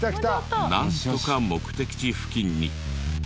なんとか目的地付近に。